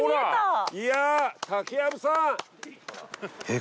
いや竹やぶさん！